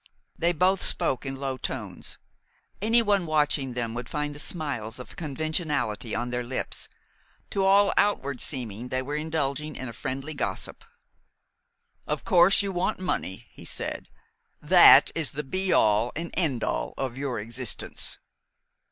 They both spoke in low tones. Anyone watching them would find the smiles of conventionality on their lips. To all outward seeming, they were indulging in a friendly gossip. "Of course, you want money," he said. "That is the be all and end all of your existence.